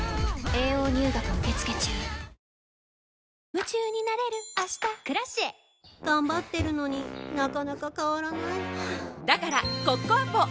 夢中になれる明日「Ｋｒａｃｉｅ」頑張ってるのになかなか変わらないはぁだからコッコアポ！